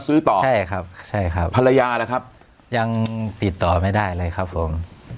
ซื้อต่อใช่ครับใช่ครับภรรยาล่ะครับยังติดต่อไม่ได้เลยครับผม